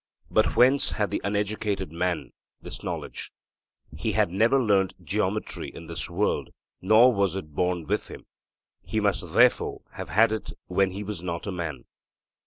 But whence had the uneducated man this knowledge? He had never learnt geometry in this world; nor was it born with him; he must therefore have had it when he was not a man.